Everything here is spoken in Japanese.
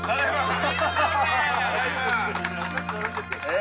え